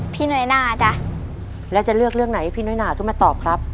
น้อยหน้าจ๊ะแล้วจะเลือกเรื่องไหนให้พี่น้อยหนาขึ้นมาตอบครับ